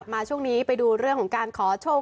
มาช่วงนี้ไปดูเรื่องของการขอโชค